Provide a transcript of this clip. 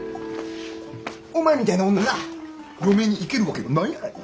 お前みたいな女が嫁に行けるわけがないアラニ。